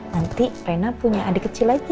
nanti reina punya adik kecil lagi